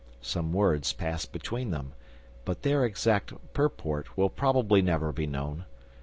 Some words passed between them, but their exact purport will probably never be known.